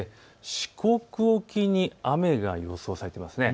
四国沖に雨が予想されています。